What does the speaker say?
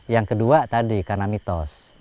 yang kedua tadi karena mitos